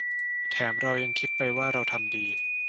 แถมเรายังคิดไปว่า 'เราทำดี'